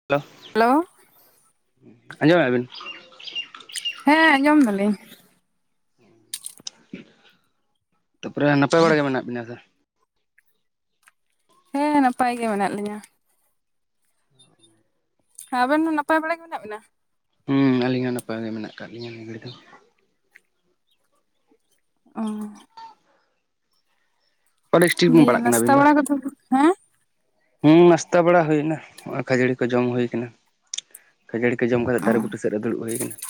[unintelligible] Hello. ᱟᱸᱡᱚᱢᱮᱜ ᱟᱵᱤᱱ? ᱦᱮᱸ ᱟᱸᱡᱚᱢ ᱫᱟᱞᱤᱧ ᱾ ᱛᱟᱯᱚᱨᱮ ᱱᱟᱯᱟᱭ ᱵᱟᱲᱟ ᱜᱮ ᱢᱮᱱᱟᱜ ᱵᱤᱱᱟ ᱥᱮ? ᱦᱮᱸ ᱱᱟᱯᱟᱭ ᱜᱮ ᱢᱮᱱᱟᱜ ᱞᱤᱧᱟ ᱾ ᱮᱸ ᱟᱵᱮᱱ ᱦᱚᱸ ᱱᱟᱯᱟᱭ ᱵᱟᱲᱟ ᱜᱮ ᱢᱮᱱᱟᱜ ᱵᱮᱱᱟ? ᱦᱮᱸ ᱟᱹᱞᱤᱧ ᱦᱚᱸ ᱱᱟᱯᱟᱭ ᱜᱮ ᱢᱮᱱᱟᱜ ᱟᱠᱟᱫ ᱞᱤᱧᱟᱹ ᱱᱤᱭᱟ ᱜᱷᱟᱹᱲᱤ ᱫᱚ ᱾ ᱚᱻ ᱰᱤᱥᱴᱨᱤᱠ ᱵᱤᱱ ᱫᱤᱭᱮ ᱯᱟᱲᱟᱜ ᱠᱟᱱᱟ ᱟᱹᱵᱤᱱ ᱫᱚ? [inaudible] ᱦᱮᱸ ᱦᱮᱸ ᱱᱟᱥᱛᱟ ᱵᱟᱲᱟ ᱦᱩᱭ ᱮᱱᱟ, ᱱᱚᱸᱜᱼᱚᱭ ᱠᱷᱟᱹᱡᱟᱹᱲᱤ ᱠᱚ ᱡᱚᱢ ᱦᱩᱭ ᱠᱟᱱᱟ ᱾ ᱠᱷᱟᱹᱡᱟᱹᱲᱤ ᱠᱚ ᱡᱚᱢ ᱠᱟᱛᱮᱫ ᱫᱟᱨᱮ ᱵᱩᱴᱟᱹ ᱥᱮᱫ ᱨᱮ ᱫᱩᱲᱩᱵ ᱦᱩᱭ ᱠᱟᱱᱟ ᱾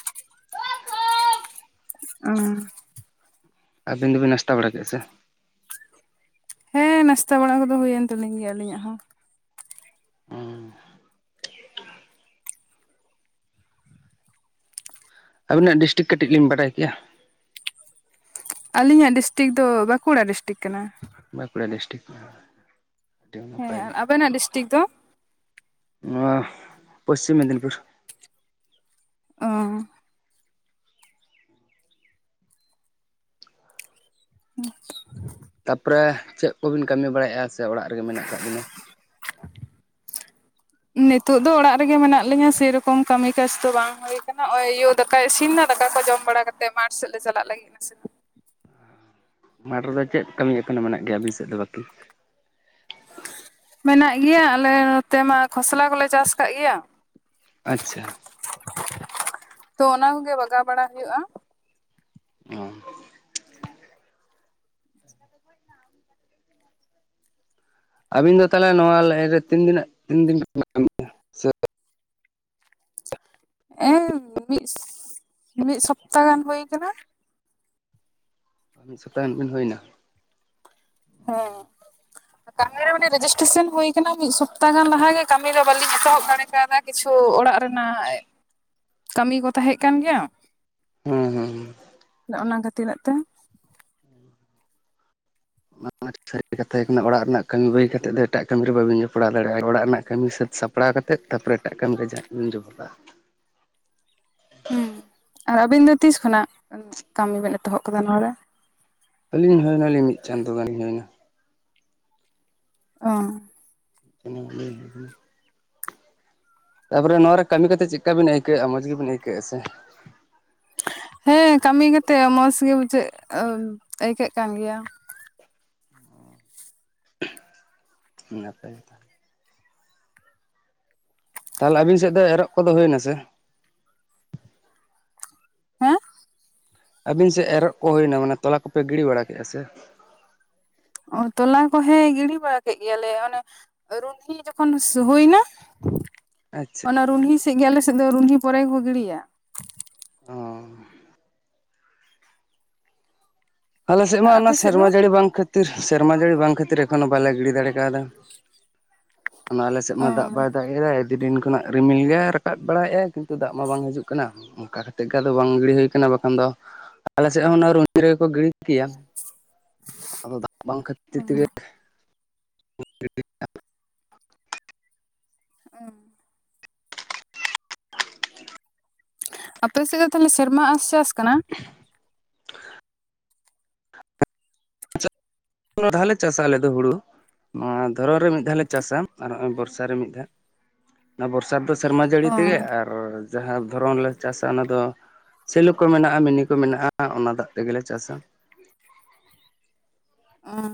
ᱚ ᱟᱹᱵᱤᱱ ᱫᱚᱵᱤᱱ ᱱᱟᱥᱛᱟ ᱵᱟᱲᱟ ᱠᱮᱜᱼᱟ ᱥᱮ? ᱦᱮᱸ ᱱᱟᱥᱛᱟ ᱵᱟᱲᱟ ᱠᱚᱫᱚ ᱦᱩᱭᱮᱱ ᱛᱟᱹᱞᱤᱧ ᱜᱮᱭᱟ ᱟᱹᱞᱤᱧᱟᱜ ᱦᱚᱸ ᱾ ᱟᱹᱵᱤᱱᱟᱜ ᱰᱤᱥᱴᱤᱠ ᱠᱟᱹᱴᱤᱡ ᱞᱤᱧ ᱵᱟᱰᱟᱭ ᱠᱮᱭᱟ? ᱟᱞᱤᱧᱟᱜ ᱰᱤᱥᱴᱤᱠ ᱫᱚ ᱵᱟᱸᱠᱩᱲᱟ ᱰᱤᱥᱴᱤᱠ ᱠᱟᱱᱟ ᱾ ᱵᱟᱸᱠᱩᱲᱟ ᱰᱤᱥᱴᱨᱤᱠ ᱾ ᱦᱮᱸ ᱟᱵᱮᱱᱟᱜ ᱰᱤᱥᱴᱤᱠ ᱫᱚ? ᱱᱚᱣᱟ ᱯᱚᱥᱪᱤᱢ ᱢᱮᱫᱽᱱᱤᱯᱩᱨ ᱾ ᱚ [unintelligible] ᱛᱟᱯᱚᱨᱮ, ᱪᱮᱫ ᱠᱚᱵᱤᱱ ᱠᱟᱹᱢᱤ ᱵᱟᱲᱟᱭᱮᱫᱼᱟ ᱥᱮ ᱚᱲᱟᱜ ᱨᱮᱜᱮ ᱢᱮᱱᱟᱜ ᱟᱠᱟᱫ ᱵᱤᱱᱟ? ᱱᱤᱛᱚᱜ ᱫᱚ ᱚᱲᱟᱜ ᱨᱮᱜᱮ ᱢᱮᱱᱟᱜ ᱞᱤᱧᱟᱹ ᱥᱮᱨᱚᱠᱚᱢ ᱠᱟᱹᱢᱤ ᱠᱟᱡᱽ ᱫᱚ ᱵᱟᱝ ᱦᱩᱭ ᱟᱠᱟᱱᱟ ᱾ [inaudible] ᱫᱟᱠᱟᱭ ᱤᱥᱤᱱ ᱱᱟ ᱫᱟᱠᱟ ᱠᱚ ᱡᱚᱢ ᱵᱟᱲᱟ ᱠᱟᱛᱮᱫ ᱢᱟᱴᱷ ᱥᱮᱫ ᱞᱮ ᱪᱟᱞᱟᱜ ᱞᱟᱹᱜᱤᱫ ᱾ ᱱᱟᱥᱮ ᱫᱚ ᱢᱟᱴᱷ ᱨᱮᱫᱚ ᱪᱮᱫ ᱠᱟᱹᱢᱤ ᱮᱠᱷᱱᱳ ᱢᱮᱱᱟᱜ ᱜᱮᱭᱟ ᱟᱹᱵᱤᱱ ᱥᱮᱫ ᱫᱚ ᱵᱟᱹᱠᱤ? ᱢᱮᱱᱟᱜ ᱜᱮᱭᱟ ᱟᱞᱮ ᱱᱚᱛᱮ ᱢᱟ, ᱠᱷᱚᱥᱞᱟ ᱠᱚᱞᱮ ᱪᱟᱥ ᱟᱠᱟᱫ ᱜᱮᱭᱟ ᱾ ᱟᱪᱪᱷᱟ ᱾ ᱛᱚ ᱚᱱᱟ ᱠᱚᱜᱮ ᱵᱟᱜᱟᱣ ᱵᱟᱲᱟ ᱦᱩᱭᱩᱜ-ᱟ ᱾ ᱚ [inaudible] ᱟᱹᱵᱤᱱ ᱫᱚ ᱛᱟᱞᱦᱮ ᱱᱚᱣᱟ ᱞᱟᱭᱤᱱ ᱨᱮ ᱛᱤᱱ ᱫᱤᱱᱟᱹᱜ ᱛᱤᱱᱫᱤᱱ [unintelligible] ᱮᱸ ᱢᱤᱫ ᱢᱤᱫ ᱥᱚᱯᱛᱟ ᱜᱟᱱ ᱦᱩᱭ ᱠᱟᱱᱟ ᱾ ᱢᱤᱫ ᱥᱚᱯᱛᱟ ᱜᱟᱱ ᱵᱤᱱ ᱦᱩᱭᱮᱱᱟ ᱾ ᱦᱮᱸ [unintelligible] ᱠᱟᱹᱢᱤ ᱨᱮ ᱢᱟᱱᱮ ᱨᱮᱡᱤᱥᱴᱮᱥᱟᱱ ᱦᱩᱭ ᱠᱟᱱᱟ ᱢᱤᱫ ᱥᱚᱯᱛᱟ ᱜᱟᱱ ᱞᱟᱦᱟᱜᱮ, ᱠᱟᱹᱢᱤ ᱫᱚ ᱵᱟᱹᱞᱤᱧ ᱮᱛᱚᱦᱚᱵ ᱫᱟᱲᱮ ᱠᱟᱣᱫᱟ ᱾ ᱠᱤᱪᱷᱩ ᱚᱲᱟᱜ ᱨᱮᱱᱟᱜ, ᱠᱟᱹᱢᱤ ᱠᱚ ᱛᱟᱦᱮᱸᱜ ᱠᱟᱱ ᱜᱮᱭᱟ ᱾ ᱦᱩᱸ ᱦᱩᱸ ᱦᱩᱸ ᱾ ᱚᱱᱟ ᱫᱚ ᱛᱤᱱᱟᱹᱜ ᱛᱮ? ᱢᱟᱨᱪᱷᱟ ᱤᱫᱤ ᱠᱟᱛᱮ ᱟᱵᱤᱱᱟᱜ ᱚᱲᱟᱜ ᱨᱮᱱᱟᱜ ᱠᱟᱹᱢᱤ ᱵᱟᱜᱤ ᱠᱟᱛᱮᱫ ᱫᱚ ᱮᱴᱟᱜ ᱠᱟᱹᱢᱤ ᱨᱮ ᱵᱟᱹᱤᱱ ᱡᱚᱯᱲᱟᱣ ᱫᱟᱲᱮᱭᱟᱜ-ᱟ, ᱚᱲᱟᱜ ᱨᱮᱱᱟᱜ ᱠᱟᱹᱢᱤ ᱥᱟᱹᱛ ᱥᱟᱯᱼᱼ ᱞᱟᱦᱟ ᱠᱟᱛᱮᱫ ᱛᱟᱯᱚᱨᱮ ᱮᱴᱟᱜ ᱠᱟᱹᱢᱤ ᱨᱮ ᱡᱟᱜᱼᱵᱤᱱ ᱡᱚᱯᱲᱟᱜ-ᱟ ᱾ ᱦᱮᱸ ᱟᱨ ᱟᱵᱤᱱ ᱫᱚ ᱛᱤᱥ ᱠᱷᱚᱱᱟᱜ, ᱠᱟᱹᱢᱤ ᱵᱤᱱ ᱮᱛᱚᱦᱚᱵ ᱠᱟᱫᱟ ᱱᱚᱣᱟ ᱨᱮ? ᱟᱹᱞᱤᱧ ᱦᱩᱭᱱᱟᱞᱤᱧ ᱢᱤᱫ ᱪᱟᱸᱫᱳ ᱜᱟᱱ ᱤᱧ ᱦᱩᱭᱱᱟ ᱾ ᱚ [unintelligible] [unintelligible] ᱛᱟᱯᱚᱨᱮ ᱱᱚᱣᱟ ᱨᱮ ᱠᱟᱹᱢᱤ ᱠᱟᱛᱮ ᱪᱮᱫᱠᱟ ᱵᱤᱱ ᱟᱹᱭᱠᱟᱹᱣᱮᱜ-ᱟ ᱢᱚᱡᱽ ᱜᱮᱵᱤᱱ ᱟᱹᱭᱠᱟᱹᱣᱮᱜ-ᱟ ᱥᱮ? ᱦᱮᱸ ᱠᱟᱹᱢᱤ ᱠᱟᱛᱮ ᱢᱚᱡ ᱜᱮ ᱵᱩᱡᱷᱟᱹᱜ ᱟᱹᱭᱠᱟᱹᱜ ᱠᱟᱱ ᱜᱮᱭᱟ᱾ ᱱᱟᱯᱟᱭ [unintelligible] ᱛᱟᱞᱦᱮ ᱟᱵᱤᱱ ᱥᱮᱜ ᱫᱚ ᱮᱨᱚᱜ ᱠᱚᱫᱚ ᱦᱩᱭᱱᱟ ᱥᱮ? ᱦᱮᱸ? ᱟᱹᱵᱤᱱ ᱥᱮᱜ ᱮᱨᱚᱜ ᱠᱚ ᱦᱩᱭᱱᱟ ᱢᱟᱱᱮ ᱛᱚᱞᱟ ᱠᱚᱯᱮ ᱜᱤᱲᱤ ᱵᱟᱲᱟ ᱠᱮᱜ-ᱟ ᱥᱮ? ᱚ ᱛᱚᱞᱟ ᱠᱚ ᱦᱮᱸ ᱜᱤᱲᱤ ᱵᱟᱲᱟ ᱠᱮᱜ ᱜᱮᱭᱟᱞᱮ ᱚᱱᱮ ᱨᱩᱦᱱᱤ ᱡᱚᱠᱷᱚᱱ ᱥᱩ ᱦᱩᱭᱱᱟ, ᱟᱪᱪᱷᱟ ᱚᱱᱟ ᱨᱩᱦᱱᱦᱤ ᱥᱮᱜ ᱜᱮ ᱟᱞᱮ ᱥᱮᱫ ᱫᱚ ᱨᱩᱱᱦᱤ ᱯᱚᱨᱮ ᱜᱮᱠᱚ ᱜᱤᱲᱤᱭᱟ᱾ ᱚ ᱟᱞᱮ ᱥᱮᱜ ᱟᱨ ᱢᱟ ᱚᱱᱟ ᱟᱯᱮ ᱥᱮᱫ ᱥᱮᱨᱢᱟ ᱫᱚ? ᱡᱟᱹᱲᱤ ᱵᱟᱝ ᱠᱷᱟᱹᱛᱤᱨ ᱥᱮᱨᱢᱟ ᱡᱟᱹᱲᱤ ᱵᱟᱝ ᱠᱷᱟᱹᱤᱨ ᱮᱠᱷᱚᱱ ᱦᱚᱸ ᱵᱟᱞᱮ ᱜᱤᱰᱤ ᱫᱟᱲᱮ ᱠᱟᱣ ᱫᱟ, ᱚᱱᱟ ᱟᱞᱮ ᱥᱮᱜ ᱚ ᱢᱟ ᱫᱟᱜ ᱵᱟᱭ ᱫᱟᱜ ᱮᱫᱟᱭ ᱟᱰᱤ ᱫᱤᱱ ᱠᱷᱚᱱᱟᱜ ᱨᱤᱢᱤᱞ ᱜᱮ ᱨᱟᱠᱟᱵ ᱵᱟᱲᱟᱭᱮᱜ-ᱟᱭ ᱠᱤᱱᱛᱩ ᱫᱟᱜ ᱢᱟ ᱵᱟᱝ ᱦᱤᱡᱩᱜ ᱠᱟᱱᱟ᱾ ᱚᱝᱠᱟ ᱠᱟᱛᱮ ᱜᱮ ᱟᱫᱚ ᱵᱟᱝ ᱜᱤᱲᱤ ᱦᱩᱭ ᱠᱟᱱᱟ ᱵᱟᱠᱷᱟᱱ ᱫᱚ ᱟᱞᱮ ᱥᱮᱜ ᱦᱚᱸ ᱚᱱᱟ ᱨᱩᱱᱤ ᱨᱮᱜᱮ ᱠᱚ ᱜᱤᱲᱤ ᱠᱮᱭᱟ, ᱟᱫᱚ ᱫᱟᱜ ᱵᱟᱝ ᱠᱷᱟᱹᱛᱤᱨ ᱛᱮᱜᱮ [unintelligible] ᱟᱯᱮ ᱥᱮᱜ ᱫᱚ ᱛᱟᱞᱦᱮ ᱥᱮᱨᱢᱟ ᱟᱸᱥ ᱪᱟᱥ ᱠᱟᱱᱟ? ᱵᱟᱨ ᱫᱷᱟᱣᱞᱮ ᱪᱟᱥᱟ ᱟᱞᱮ ᱫᱚ ᱦᱩᱲᱩ, ᱱᱚᱣᱟ ᱫᱷᱚᱨᱚᱱ ᱨᱮ ᱢᱤᱫ ᱫᱷᱟᱣ ᱞᱮ ᱪᱟᱥᱟ ᱟᱨ ᱦᱚᱜᱚᱭ ᱵᱚᱨᱥᱟ ᱨᱮ ᱢᱤᱫ ᱫᱷᱟ᱾ ᱚᱱᱟ ᱵᱚᱨᱥᱟ ᱨᱮᱫᱚ ᱥᱮᱨᱢᱟ ᱚ ᱡᱟᱹᱲᱤ ᱛᱮᱜᱮ ᱟᱨ ᱡᱟᱦᱟᱸ ᱫᱷᱚᱨᱚᱱ ᱞᱮ ᱪᱟᱥᱟ ᱚᱱᱟ ᱫᱚ ᱥᱮᱞᱳ ᱠᱚ ᱢᱮᱱᱟᱜ-ᱟ ᱢᱤᱱᱤ ᱠᱚ ᱢᱮᱱᱟᱜ-ᱟ ᱚᱱᱟ ᱫᱟᱜ ᱛᱮᱜᱮᱞᱮ ᱪᱟᱥᱟ᱾ ᱚᱸ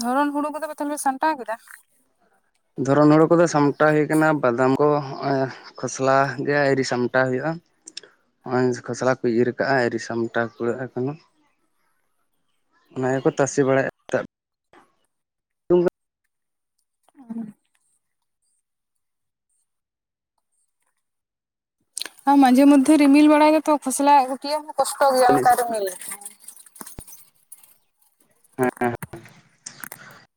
ᱫᱷᱚᱨᱚᱱ ᱦᱩᱲᱩ ᱠᱚᱫᱚ ᱯᱮ ᱛᱟᱦᱞᱮ ᱯᱮ ᱥᱟᱢᱴᱟᱣ ᱠᱮᱫᱟ? ᱫᱷᱚᱨᱚᱱ ᱦᱩᱲᱩ ᱠᱚᱫᱚ ᱥᱟᱢᱴᱟᱣ ᱦᱩᱭ ᱠᱟᱱᱟ, ᱵᱟᱫᱟᱢ ᱠᱚ ᱦᱚᱜ-ᱚᱭ ᱠᱷᱚᱥᱞᱟ ᱜᱮ ᱟᱹᱣᱨᱤ ᱥᱟᱢᱴᱟᱣ ᱦᱩᱭᱩᱜ-ᱟ᱾ ᱦᱚᱸᱜ-ᱚᱧ ᱠᱷᱚᱥᱞᱟ ᱠᱚᱭ ᱤᱨ ᱠᱟᱜ-ᱟ ᱟᱨᱤ ᱥᱟᱢᱴᱟᱣ ᱠᱩᱲᱟᱹᱜ-ᱟ ᱮᱠᱷᱚᱱᱚ᱾ ᱚᱱᱟ ᱜᱮᱠᱚ ᱛᱟᱥᱮ ᱵᱟᱲᱟᱭᱮᱜᱼᱟ᱾ ᱚ ᱦᱮᱸ ᱢᱟᱡᱷᱮ ᱢᱚᱫᱫᱮ ᱨᱤᱢᱤᱞ ᱵᱟᱲᱟᱭ ᱜᱮᱛᱚ ᱠᱷᱚᱥᱞᱟᱜ ᱜᱩᱴᱭᱟᱹ ᱦᱚᱸ ᱠᱚᱥᱴᱚ ᱜᱮᱭᱟ ᱚᱝᱠᱟ ᱨᱤᱢᱤᱞ ᱦᱮᱸ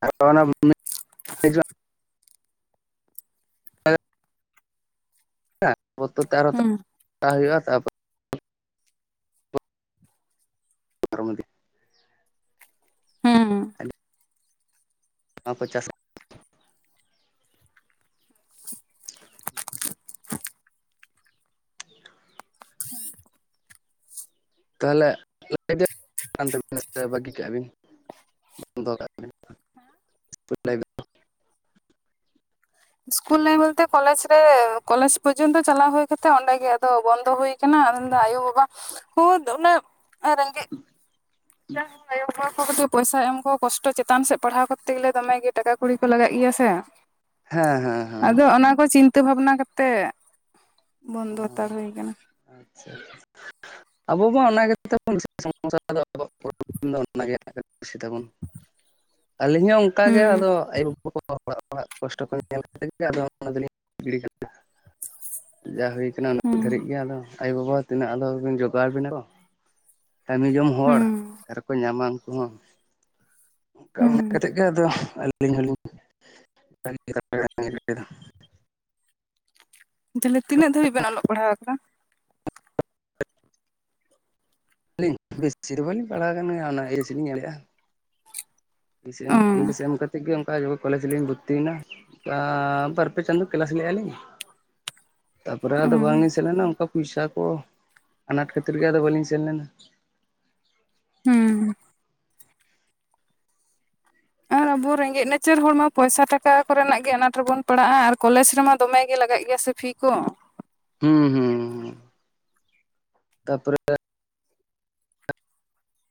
ᱟᱫᱚ ᱚᱱᱟ ᱨᱤᱢᱤᱞ [unintelligible] ᱟᱨᱚ ᱦᱩᱸ ᱦᱩᱭᱩᱜ-ᱟ ᱛᱟᱯᱚᱨ ᱯᱟᱨᱚᱢ ᱤᱫᱤ ᱦᱩᱸ᱾ ᱚᱱᱟ ᱠᱚ ᱪᱟᱥᱟ ᱛᱟᱦᱞᱮ [unintelligible] ᱵᱟᱹᱜᱤ ᱠᱟᱜ-ᱟ ᱵᱤᱱ? [unintelligible] ᱥᱠᱩᱞ ᱞᱮ ᱵᱚᱞᱛᱮ ᱠᱚᱞᱮᱡ ᱨᱮ ᱠᱚᱞᱮᱡ ᱯᱚᱨᱡᱚᱱᱛᱚ ᱪᱟᱞᱟᱣ ᱦᱩᱭ ᱠᱟᱛᱮ ᱚᱸᱰᱮ ᱜᱮ ᱟᱫᱚ ᱵᱚᱱᱫᱚ ᱦᱩᱭ ᱠᱟᱱᱟ ᱢᱮᱱᱫᱚ ᱟᱭᱳᱵᱟᱵᱟ ᱦᱚᱸ ᱫᱚᱢᱮ ᱮᱸ ᱨᱮᱸᱜᱮᱡ [unintelligible] ᱟᱭᱳᱵᱟᱵᱟ ᱠᱚᱦᱚᱸᱛᱚ ᱯᱚᱭᱥᱟ ᱮᱢ ᱠᱚ ᱠᱚᱥᱴᱚ ᱪᱮᱛᱟᱱ ᱥᱮᱫ ᱯᱟᱲᱦᱟᱣ ᱠᱚᱛᱛᱮ ᱜᱮᱞᱮ ᱫᱚᱢᱮᱜᱮ ᱴᱟᱠᱟ ᱠᱩᱲᱤ ᱠᱚ ᱞᱟᱜᱟᱜ ᱜᱮᱭᱟ ᱥᱮ᱾ ᱦᱮᱸ ᱦᱮᱸ ᱦᱮᱸ ᱟᱫᱚ ᱚᱱᱟ ᱠᱚ ᱪᱤᱱᱛᱟᱹ ᱵᱷᱟᱵᱽᱱᱟ ᱠᱟᱛᱮᱜ ᱵᱚᱱᱫᱚ ᱦᱟᱛᱟᱲ ᱦᱩᱭ ᱠᱟᱱᱟ᱾ ᱟᱪᱪᱷᱟ ᱟᱵᱚ ᱢᱟ ᱚᱱᱟ ᱜᱮ ᱛᱟᱵᱚᱱ ᱥᱚᱢᱚᱥᱟ ᱟᱵᱚᱣᱟᱜᱼᱫᱚ᱾ ᱯᱨᱚᱵᱞᱮᱢ ᱫᱚ ᱚᱱᱟᱜᱮ ᱵᱮᱥᱤ ᱛᱟᱵᱚᱱ, ᱟᱹᱞᱤᱧ ᱦᱚᱸ ᱚᱱᱠ ᱜᱮ ᱦᱩᱸ ᱟᱫᱚ ᱟᱭᱩᱼ ᱵᱟᱵᱟ ᱠᱚ ᱚᱲᱟᱜ ᱦᱚᱲᱟᱜ ᱠᱚᱥᱴᱚ ᱠᱚ ᱧᱮᱞ ᱠᱟᱛᱮ ᱜᱮ ᱟᱫᱚ ᱚᱱᱟ ᱫᱚᱞᱤᱧ ᱜᱤᱲᱤ ᱠᱟᱫᱟ᱾ ᱡᱟ ᱦᱩᱭ ᱠᱟᱱᱟ ᱩᱱᱟᱜ ᱫᱷᱟᱹᱨᱤᱡ ᱦᱩᱸ ᱜᱮ ᱟᱫᱚ ᱟᱭᱳᱵᱟᱵᱟ ᱦᱚᱸ ᱛᱤᱱᱟᱹᱜ ᱟᱫᱚ ᱟᱵᱤᱱ ᱡᱚᱜᱟᱲ ᱟᱵᱤᱱᱟᱠᱚ, ᱠᱟᱹᱢᱤ ᱡᱚᱝ ᱦᱚᱲ ᱦᱩᱸ ᱟᱠᱟᱨᱮᱠᱚ ᱧᱟᱢᱟ ᱩᱱᱠᱩ ᱦᱚᱸ, ᱠᱟᱹᱢᱤ ᱦᱩᱸ ᱠᱟᱛᱮᱫ ᱜᱮ ᱟᱫᱚ ᱟᱹᱞᱤᱧ ᱦᱚᱞᱤᱧ ᱵᱟᱹᱜᱤ ᱠᱟᱫᱟ ᱟᱞᱤᱧ ᱦᱚᱸ᱾ ᱛᱟᱦᱚᱞᱮ ᱛᱤᱱᱟᱹᱜ ᱫᱷᱟᱹᱵᱤᱡ ᱵᱮᱱ ᱚᱞᱚᱜ ᱯᱟᱲᱦᱟᱣ ᱠᱟᱱᱟ? ᱟᱹᱞᱤᱧ ᱵᱮᱥᱤ ᱫᱚ ᱵᱟᱹᱞᱤᱧ ᱯᱟᱲᱦᱟᱣ ᱟᱠᱟᱱ ᱜᱮᱭᱟ ᱚᱱᱟ [unintelligible] ᱮᱢᱞᱮᱜᱼᱟ᱾ ᱵᱮᱥᱤᱨᱟᱱ ᱮᱭᱤᱪ ᱚᱸ ᱮᱥ ᱮᱢ ᱠᱟᱛᱮ ᱜᱮ ᱚᱝ ᱟᱭᱚ ᱠᱚᱞᱮᱡᱽ ᱞᱤᱧ ᱵᱷᱚᱨᱛᱤᱭᱮᱱᱟ ᱟᱻ ᱵᱟᱨᱯᱮ ᱪᱟᱸᱫᱚ ᱠᱟ. ᱞᱟᱥ ᱞᱮᱜᱼᱟᱞᱤᱧ ᱛᱟᱨᱯᱚᱨᱮ ᱟᱫᱚ ᱚᱸ ᱵᱟᱝᱞᱤᱧ ᱥᱮᱱ ᱞᱮᱱᱟ ᱚᱱᱠᱟ ᱯᱩᱭᱥᱟ ᱠᱚ ᱟᱱᱟᱴ ᱠᱷᱟᱹᱛᱤᱨ ᱜᱮ ᱟᱫᱚ ᱵᱟ. ᱞᱤᱧ ᱥᱮᱱ ᱞᱮᱱᱟ᱾ [unintelligible] ᱦᱩᱸ ᱟᱨ ᱟᱵᱚ ᱨᱮᱸᱜᱮᱡ ᱱᱟᱪᱟᱨ ᱦᱚᱲ ᱢᱟ ᱯᱚᱭᱥᱟ ᱴᱟᱠᱟ ᱠᱚᱨᱮᱱᱟᱜ ᱜᱮ ᱟᱱᱟᱴ ᱨᱮᱵᱚᱱ ᱯᱟᱲᱟᱜᱼᱟ ᱟᱨ ᱠᱚᱞᱮᱡᱽ ᱨᱮᱢᱟ ᱫᱚᱢᱮ ᱜᱮ ᱞᱟᱜᱟᱜ ᱜᱮᱭᱟ ᱥᱮᱼᱼ ᱯᱷᱤ ᱠᱚ ᱦᱩᱸ ᱦᱩᱸ ᱛᱟᱯᱚᱨᱮ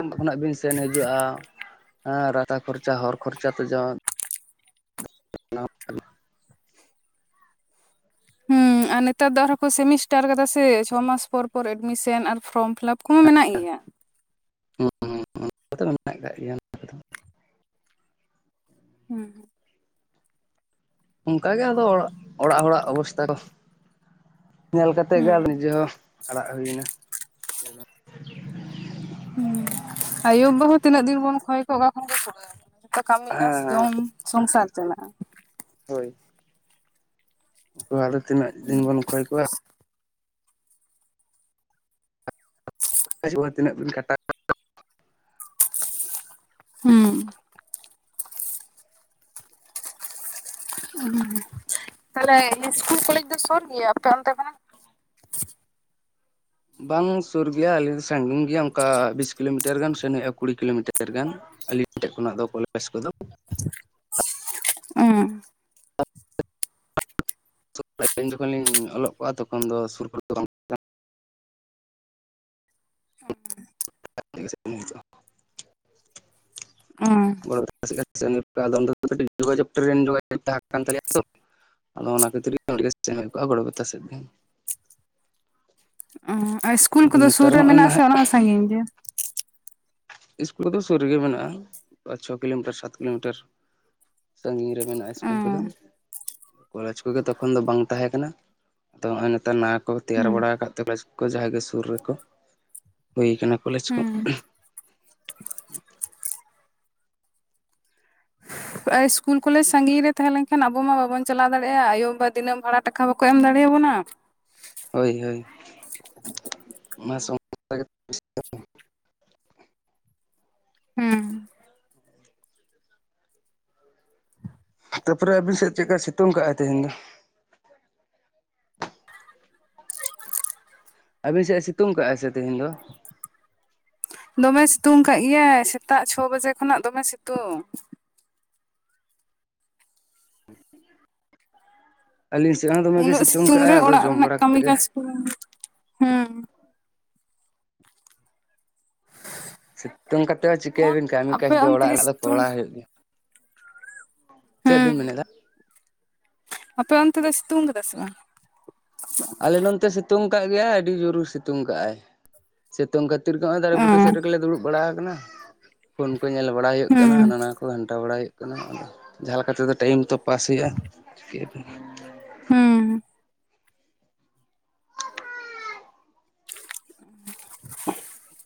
ᱩᱱ ᱠᱷᱚᱱᱟᱜ ᱵᱤᱱ ᱥᱮᱱ ᱦᱤᱡᱩᱜᱼᱟ ᱮᱸ ᱨᱟᱪᱟ ᱠᱷᱚᱨᱪᱟ ᱦᱚᱨ ᱠᱷᱚᱨᱪᱟ ᱛᱮ ᱡᱚᱢᱼᱼ [unintelligible] ᱦᱩᱸ ᱟᱨ ᱱᱮᱛᱟᱨ ᱫᱚ ᱟᱨᱦᱚᱸ ᱠᱚ ᱥᱮᱢᱤᱥᱴᱟᱨ ᱟᱠᱟᱫᱟ ᱥᱮ ᱪᱷᱚ ᱢᱟᱥ ᱯᱚᱨ ᱯᱚᱨ ᱮᱰᱢᱤᱥᱮᱱ ᱟᱨ ᱯᱷᱚᱨᱚᱢ ᱯᱷᱤᱞᱟᱯ ᱠᱚᱦᱚᱸ ᱢᱮᱱᱟᱜ ᱜᱮᱭᱟ᱾ ᱟᱫᱚ ᱢᱮᱱᱟᱜ ᱟᱠᱟᱜ ᱜᱮᱭᱟᱢ ᱦᱩᱸᱦᱩᱸ ᱚᱱᱠᱟ ᱜᱮ ᱟᱫᱚ ᱚᱲᱟᱜ ᱚᱲᱟᱜ ᱦᱚᱲᱟᱜ ᱚᱵᱚᱥᱛᱟ ᱠᱚ ᱧᱮᱞ ᱠᱟᱛᱮᱜ ᱜᱮ ᱦᱩᱸ ᱟᱫᱚ ᱱᱤᱡᱟ. ᱦᱚᱸᱼᱼ ᱟᱲᱟᱜ ᱦᱩᱭᱮᱱᱟ [unintelligible] ᱦᱩᱸ ᱟᱭᱳ ᱵᱟᱵᱟ ᱦᱚᱸ ᱛᱤᱱᱟᱹᱜ ᱫᱤᱱ ᱵᱚᱱ ᱠᱷᱚᱭ ᱠᱚᱜ-ᱟ ᱚᱠᱟ ᱠᱷᱚᱱ ᱠᱚ ᱠᱩᱲᱟᱹᱣ ᱢᱮᱭᱟ ᱡᱚᱛᱚ ᱠᱟᱹᱢᱤᱜ-ᱟ ᱥᱮ ᱦᱮᱸ ᱡᱚᱢ ᱥᱚᱝᱥᱟᱨ ᱪᱟᱞᱟᱜ-ᱟ ᱾ ᱦᱳᱭ ᱾ [inaudible] ᱩᱱᱠᱩ ᱦᱚᱸ ᱟᱫᱚ ᱛᱤᱱᱟᱹᱜ ᱫᱤᱱ ᱵᱚᱱ ᱠᱷᱚᱭ ᱟᱡᱤᱵᱚᱱ ᱛᱤᱱᱟᱹᱜ ᱵᱤᱱ ᱠᱷᱟᱴᱟᱣ [unintelligible] ᱦᱮᱸ ᱾ [unintelligible] ᱛᱟᱦᱚᱞᱮ ᱤᱥᱠᱩᱞ ᱠᱚᱞᱮᱡᱽ ᱫᱚ ᱥᱩᱨ ᱜᱮᱭᱟ ᱟᱯᱮ ᱚᱱᱛᱮ ᱠᱷᱚᱱᱟᱜ? ᱵᱟᱝ ᱥᱩᱨ ᱜᱮᱭᱟ ᱟᱞᱮ ᱫᱚ ᱥᱟᱺᱜᱤᱧ ᱜᱮᱭᱟ ᱚᱱᱠᱟ ᱵᱤᱥ ᱠᱤᱞᱳᱢᱤᱴᱟᱨ ᱜᱟᱱ ᱥᱮᱱ ᱦᱩᱭᱩᱜ-ᱟ, ᱠᱩᱲᱤ ᱠᱤᱞᱳᱢᱤᱴᱟᱨ ᱜᱟᱱ ᱾ ᱟᱹᱞᱤᱧ ᱴᱷᱮᱡ ᱠᱷᱚᱱᱟᱜ ᱫᱚ ᱠᱚᱞᱮᱡᱽ ᱠᱚᱫᱚ ᱾ ᱚᱸ ᱾ [unintelligible] ᱟᱹᱞᱤᱧ ᱡᱚᱠᱷᱚᱱ ᱞᱤᱧ ᱚᱞᱚᱜ ᱠᱚᱜ-ᱟ ᱛᱚᱠᱷᱚᱱ ᱫᱚ ᱥᱩᱨ ᱠᱚᱨᱮ ᱫᱚ ᱵᱟᱝ ᱦᱚᱸ ᱾ [unintelligible] ᱩᱸ [unintelligible] ᱡᱚᱜᱟᱡᱳᱜ ᱴᱨᱮᱱ ᱡᱚᱜᱟᱡᱳᱜ ᱛᱟᱦᱮᱸᱠᱟᱱ ᱛᱟᱞᱮᱭᱟ ᱛᱚ ᱾ ᱟᱫᱚ ᱚᱱᱟ ᱠᱷᱟᱹᱛᱤᱨ ᱜᱮ [unintelligible] ᱥᱮᱱ ᱦᱩᱭᱠᱚᱜ-ᱟ ᱜᱚᱲᱵᱮᱛᱟ ᱥᱮᱫ ᱜᱮ ᱾ ᱚᱸ ᱟᱨ ᱤᱥᱠᱩᱞ ᱟᱫᱚ ᱠᱚᱫᱚ ᱥᱩᱨ ᱱᱮᱛᱟᱨ ᱨᱮ ᱢᱟ ᱱᱚᱜᱼᱚᱭ ᱢᱮᱱᱟᱜ-ᱟ ᱥᱮ ᱱᱟᱦᱟᱜ ᱚᱱᱟ ᱦᱚᱸ ᱥᱟᱺᱜᱤᱧ ᱜᱮᱭᱟ? ᱤᱥᱠᱩᱞ ᱠᱚᱫᱚ ᱥᱩᱨ ᱨᱮᱜᱮ ᱢᱮᱱᱟᱜᱼᱟ, ᱯᱟᱸᱪ ᱪᱷᱚ ᱠᱤᱞᱳᱢᱤᱴᱟᱨ ᱥᱟᱛ ᱠᱤᱞᱳᱢᱤᱴᱟᱨ ᱾ ᱥᱟᱺᱜᱤᱧ ᱨᱮ ᱢᱮᱱᱟᱜ-ᱟ ᱥᱠᱩᱞ ᱦᱩᱸ ᱠᱚᱫᱚ, ᱠᱚᱞᱮᱡᱽ ᱠᱚᱜᱮ ᱛᱚᱠᱷᱚᱱ ᱫᱚ ᱵᱟᱝ ᱛᱟᱦᱮᱸ ᱠᱟᱱᱟ ᱾ ᱛᱚ ᱦᱚᱸᱜ-ᱚᱭ ᱱᱮᱛᱟᱨ ᱱᱟᱣᱟ ᱠᱚ ᱛᱮᱭᱟᱨ ᱦᱩᱸ ᱵᱟᱲᱟ ᱟᱠᱟᱫ ᱛᱮᱠᱚ ᱡᱟᱦᱟᱸᱭ ᱜᱮ ᱥᱩᱨ ᱨᱮᱠᱚ ᱦᱩᱭ ᱟᱠᱟᱱᱟ ᱠᱚᱞᱮᱡᱽ ᱠᱚ ᱾ ᱦᱩᱸ ᱤᱥᱠᱩᱞ ᱠᱚᱞᱮᱡᱽ ᱥᱟᱺᱜᱤᱧ ᱨᱮ ᱛᱟᱦᱮᱸ ᱞᱮᱱᱠᱷᱟᱱ ᱟᱵᱚ ᱢᱟ ᱵᱟᱵᱚᱱ ᱪᱟᱞᱟᱣ ᱫᱟᱲᱮᱭᱟᱜ-ᱟ, ᱟᱭᱳᱼᱵᱟᱵᱟ ᱫᱤᱱᱟᱹᱢ ᱵᱷᱟᱲᱟ ᱴᱟᱠᱟ ᱵᱟᱠᱚ ᱮᱢ ᱫᱟᱲᱮᱭᱟᱵᱚᱱᱟ ᱾ ᱦᱳᱭ ᱦᱳᱭ ᱾ [inaudible] ᱚᱱᱟ [unintelligible] ᱦᱮᱸ ᱾ ᱛᱟᱯᱚᱨᱮ ᱟᱹᱵᱤᱱ ᱥᱮᱫ ᱪᱮᱫᱠᱟᱭ ᱥᱤᱛᱩᱝ ᱠᱟᱜᱟᱭ ᱛᱮᱦᱮᱧ ᱫᱚ? ᱟᱹᱵᱤᱱ ᱥᱮᱫ ᱮ ᱥᱤᱛᱩᱝ ᱠᱟᱜ-ᱟ ᱥᱮ ᱛᱤᱦᱤᱧ ᱫᱚ? ᱫᱚᱢᱮ ᱥᱤᱛᱩᱝ ᱠᱟᱜ ᱜᱮᱭᱟᱭ ᱥᱮᱛᱟᱜ ᱪᱷᱚ ᱵᱟᱡᱮ ᱠᱷᱚᱱᱟᱜ ᱫᱚᱢᱮ ᱥᱤᱛᱩᱝ ᱾ ᱟᱹᱞᱤᱧ ᱥᱮᱫ ᱦᱚᱸ ᱫᱚᱢᱮ ᱜᱮ ᱩᱱᱟᱹᱜ ᱥᱤᱛᱩᱝ ᱠᱟᱜᱼᱟᱭ ᱨᱮ ᱟᱫᱚ ᱚᱲᱟᱜ ᱡᱚᱢ ᱨᱮᱱᱟᱜ ᱵᱟᱲᱟ ᱠᱟᱹᱢᱤ ᱠᱟᱛᱮᱫ ᱜᱮ ᱠᱟᱡᱽ ᱠᱚᱦᱚᱸ [inaudible] ᱦᱮᱸ ᱾ ᱥᱤᱛᱩᱝ ᱠᱟᱛᱮᱫ ᱦᱚ ᱚᱱ ᱪᱤᱠᱟᱹᱭᱟᱵᱤᱱ ᱠᱟᱹᱢᱤ ᱟᱯᱮ ᱠᱟᱡᱽ ᱫᱚ ᱚᱱᱛᱮ ᱚᱲᱟᱜ ᱜᱮ ᱨᱮᱱᱟᱜ ᱫᱚ ᱥᱤᱛᱩᱝ ᱠᱚᱨᱟᱣ ᱦᱩᱭᱩᱜ ᱜᱮᱭᱟ ᱾ ᱪᱮᱫ ᱵᱤᱱ ᱦᱩᱸ ᱦᱩᱸ ᱢᱮᱱᱮᱫᱟ? ᱟᱯᱮ ᱚᱱᱛᱮ ᱫᱚᱭ ᱥᱤᱛᱩᱝ ᱠᱟᱫᱟ ᱥᱮ ᱵᱟᱝ? ᱟᱞᱮ ᱱᱚᱱᱛᱮ ᱥᱤᱛᱩᱝ ᱠᱟᱜ ᱜᱮᱭᱟᱭ ᱟᱹᱰᱤ [unintelligible] ᱥᱤᱛᱩᱝ ᱠᱟᱜ-ᱟᱭ, [inaudible] ᱥᱤᱛᱩᱝ ᱠᱷᱟ -ᱼᱛᱤᱨ ᱱᱚᱜ-ᱚᱭ ᱫᱟᱨᱮ ᱚ ᱵᱩᱴᱟᱹ ᱥᱮᱫ ᱨᱮᱜᱮᱞᱮ ᱫᱩᱲᱩᱵ ᱵᱟᱲᱟ ᱟᱠᱟᱱᱟ ᱯᱷᱳᱱ ᱠᱚ ᱧᱮᱞ ᱵᱟᱲᱟ ᱦᱩᱭᱩᱜ ᱠᱟᱱᱟᱱᱟ ᱦᱩᱸ ᱾ ᱟᱫᱚ ᱠᱚ ᱜᱷᱟᱱᱴᱟ ᱵᱟᱲᱟᱭ ᱦᱩᱭᱩᱜ ᱠᱟᱱᱟ ᱟᱫᱚ ᱡᱟᱦᱟᱸ ᱞᱮᱠᱟ ᱛᱮᱫᱚ ᱴᱟᱭᱤᱢ ᱛᱚ ᱯᱟᱥ ᱦᱩᱭᱩᱜ-ᱟ᱾ [unintelligible] ᱦᱩᱸ [unintelligible]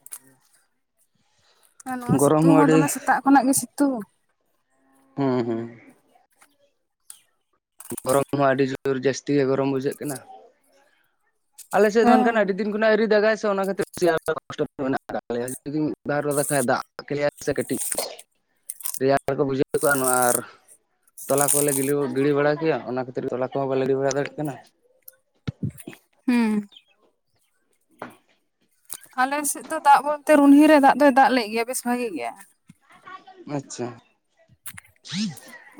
ᱟᱨ ᱱᱚᱣᱟ ᱜᱚᱨᱚᱢ ᱥᱤᱛᱩᱝ ᱦᱚᱸ ᱟᱹᱰᱤ ᱫᱚᱢᱮ ᱥᱮᱛᱟᱜ ᱠᱷᱚᱱᱟᱜ ᱜᱮ ᱥᱤᱛᱩᱝ᱾ ᱦᱩᱸ-ᱦᱩᱸ ᱜᱚᱨᱚᱢ ᱦᱚᱸ ᱟᱹᱰᱤ ᱡᱳᱨ ᱡᱟᱹᱥᱛᱤ ᱜᱮ ᱜᱚᱨᱚᱢ ᱵᱩᱡᱷᱟᱹᱜ ᱠᱟᱱᱟ, ᱟᱞᱮ ᱥᱮᱫ ᱫᱚ ᱦᱮᱸ ᱢᱮᱱᱠᱷᱟᱱ ᱟᱹᱰᱤ ᱫᱤᱱᱼᱼ ᱚᱱᱟ ᱟᱹᱣᱨᱤ ᱫᱟᱜᱟᱭ ᱥᱮ ᱚᱱᱟ ᱠᱷᱟᱹᱛᱤᱨ ᱢᱮᱱᱟᱜ-ᱟ ᱡᱩᱫᱤᱢ ᱠᱷᱟᱱᱡ ᱫᱟᱜ [inaudible] ᱠᱮᱞᱮᱭᱟᱭ ᱥᱮ ᱠᱟᱴᱤᱡ ᱨᱮᱭᱟᱲ ᱠᱚ ᱵᱩᱡᱷᱟᱹᱣ ᱠᱚᱜ-ᱟ, ᱱᱚᱣᱟ ᱟᱨ ᱛᱚᱞᱟ ᱠᱚᱞᱮ ᱜᱤᱰᱤ ᱵᱟᱲᱟᱼᱼ ᱜᱮᱭᱟ ᱚᱱᱟ ᱠᱷᱟᱹᱛᱤᱨ ᱛᱮ ᱛᱚᱞᱟ ᱠᱚᱦᱚᱸ ᱵᱟᱞ ᱜᱤᱲᱤ ᱵᱟᱲᱟ ᱫᱟᱲᱮᱭᱟᱜ ᱠᱟᱱᱟ᱾ ᱦᱩᱸ [inaudible] ᱟᱞᱮ ᱥᱮᱫ ᱫᱚ ᱫᱟᱜ ᱵᱚᱞᱛᱮ ᱨᱩᱱᱦᱤ ᱨᱮ ᱫᱟᱜ ᱫᱚᱭ ᱫᱟᱜ ᱞᱮᱫ ᱜᱮᱭᱟ ᱵᱮᱥ ᱵᱷᱟᱹᱜᱤ ᱜᱮ᱾ ᱟᱪᱪᱷᱟ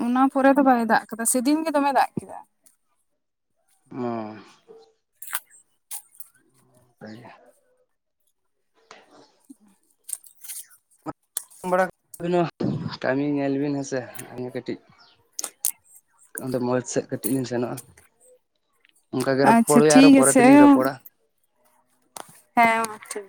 ᱚᱱᱟ ᱯᱚᱨᱮ ᱫᱚ ᱵᱟᱭ ᱫᱟᱜ ᱠᱟᱫᱟ ᱥᱮᱫᱤᱱ ᱜᱮ ᱫᱚᱢᱮ ᱫᱟᱜ ᱠᱮᱫᱟ᱾ ᱚᱸ ᱦᱳᱭ ᱜᱮ᱾ ᱡᱚᱢ ᱵᱟᱲᱟ [inaudible] ᱠᱟ. ᱢᱤ ᱧᱮᱞ ᱵᱤᱱ ᱦᱮᱸᱥᱮ ᱟᱹᱞᱤᱧ ᱠᱟᱹᱴᱤᱡᱼᱼ ᱚᱸᱰᱮ ᱢᱳᱲᱽ ᱥᱮᱫ ᱠᱟᱹᱴᱤᱡ ᱞᱤᱧ ᱥᱮᱱᱚᱜ-ᱟ ᱚᱱᱠᱟᱟᱜ ᱜᱮ ᱟᱪᱪᱷᱟ ᱨᱚᱯᱚᱲ ᱦᱩᱭᱩᱜ-ᱟ ᱟᱨᱚ ᱴᱷᱤᱠ ᱯᱚᱨᱮ ᱟᱪᱷᱮ ᱛᱮᱞᱤᱧ ᱨᱚᱯᱚᱲᱟ᱾ ᱦᱮᱸ ᱢᱟ ᱴᱷᱤᱠᱼᱼ